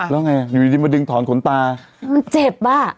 แล้วไงอยากดึงถอนขนมันเจ็บป้า